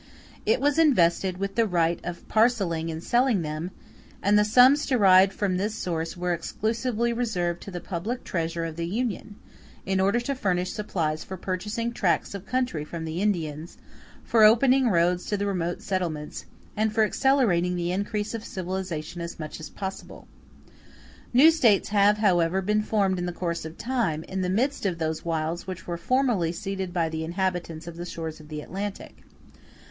It was invested with the right of parcelling and selling them, and the sums derived from this source were exclusively reserved to the public treasure of the Union, in order to furnish supplies for purchasing tracts of country from the Indians, for opening roads to the remote settlements, and for accelerating the increase of civilization as much as possible. New States have, however, been formed in the course of time, in the midst of those wilds which were formerly ceded by the inhabitants of the shores of the Atlantic.